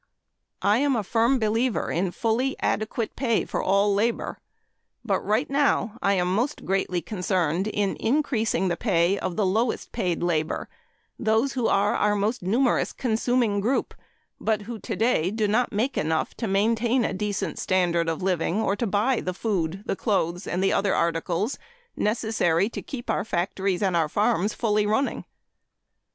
I am a firm believer in fully adequate pay for all labor. But right now I am most greatly concerned in increasing the pay of the lowest paid labor those who are our most numerous consuming group but who today do not make enough to maintain a decent standard of living or to buy the food, and the clothes and the other articles necessary to keep our factories and farms fully running.